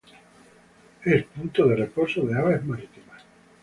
Es punto de reposo de aves marítimas.